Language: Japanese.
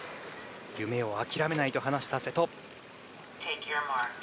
夢を諦めないと話した瀬戸。